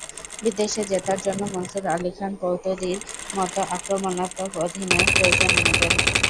বিদেশে জেতার জন্য মনসুর আলী খান পতৌদির মতো আক্রমণাত্মক অধিনায়ক প্রয়োজন আমাদের।